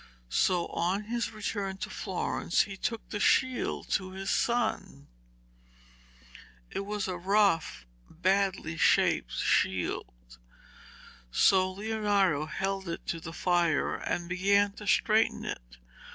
So on his return to Florence he took the shield to his son. It was a rough, badly shaped shield, so Leonardo held it to the fire and began to straighten it.